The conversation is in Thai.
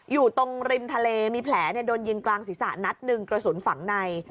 อยู่ตรงริมทะเลมีแผลโดนยิงกลางศีรษะนัดหนึ่งกระสุนฝังใน